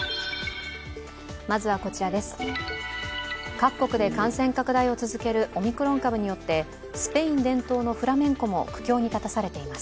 各国で感染拡大を続けるオミクロン株によってスペイン伝統のフラメンコも苦境に立たされています。